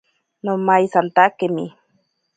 Nomaisatakemi.